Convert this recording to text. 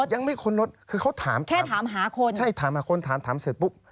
ยังไม่ค้นรถแค่ถามหาคนใช่ถามหาคนถามเสร็จปุ๊บ